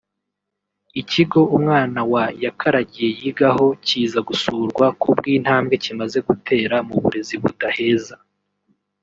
Ikigo umwana wa Yakaragiye yigaho kiza gusurwa ku bw’intambwe kimaze gutera mu burezi budaheza